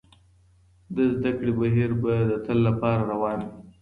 د زده کړې بهير به د تل لپاره روان وي.